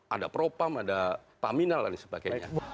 ada propam ada paminal dan sebagainya